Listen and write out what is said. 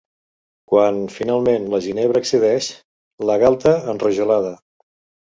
Quan, finalment, la Ginebra accedeix: “La galta enrojolada.